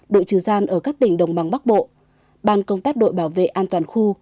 đội trừ gian ở các tỉnh đồng bằng bắc bộ ban công tác đội bảo vệ an toàn khu